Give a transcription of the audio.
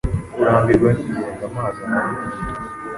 Kurambirwa ningendo Amazi arambwira